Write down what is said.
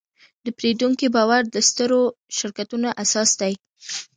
د پیرودونکي باور د سترو شرکتونو اساس دی.